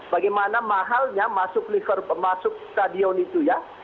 bagaimana mahalnya masuk stadion itu ya